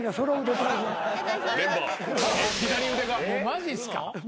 マジっすか？